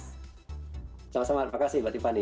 selamat selamat terima kasih mbak timur